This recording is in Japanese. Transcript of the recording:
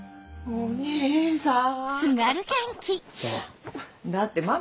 お義兄さん。